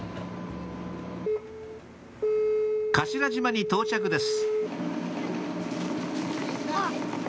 頭島に到着です